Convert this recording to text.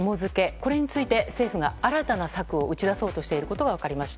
これについて政府が新たな策を打ち出そうとしていることが分かりました。